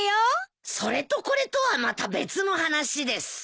それとこれとはまた別の話です。